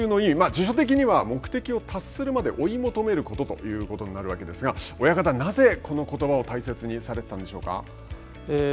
辞書的には目的を達するまで追い求めることというふうになるわけですが親方、なぜこのことばを大切にされてたんでしょうか。